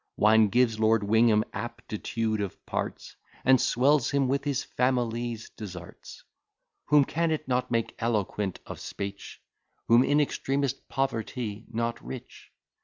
Wine gives Lord Wingham aptitude of parts, And swells him with his family's deserts: Whom can it not make eloquent of speech; Whom in extremest poverty not rich?